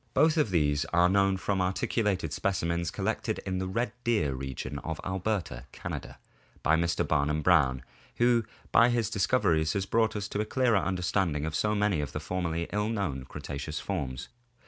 Both of these are known from articu lated specimens collected in the Red Deer region of Alberta, Canada, by Mr. Barnum Brown, who by his discoveries has brought us to a clearer understanding of so many of the formerly ill known Cre taceous forms.